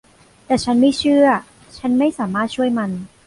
แต่ฉันไม่เชื่อ ฉันไม่สามารถช่วยมัน